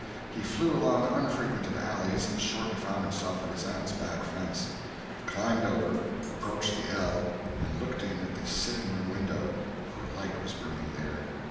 He flew along unfrequented alleys, and shortly found himself at his aunt's back fence. He climbed over, approached the "ell," and looked in at the sitting room window, for a light was burning there.